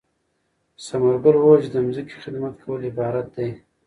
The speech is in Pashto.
ثمر ګل وویل چې د ځمکې خدمت کول عبادت دی.